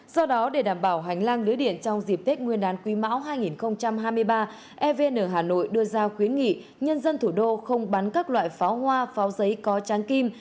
do đó để đảm bảo hành lang lưới điện trong dịp tết nguyên đán quý mão hai nghìn hai mươi ba evn hà nội đưa ra khuyến nghị nhân dân thủ đô không bán các loại pháo hoa pháo giấy có tráng kim